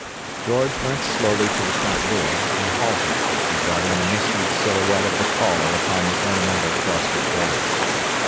George went slowly to the front door, and halted, regarding the misty silhouette of the caller upon the ornamental frosted glass.